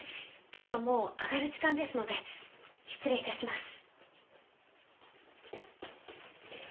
今日はもう上がる時間ですので失礼致します。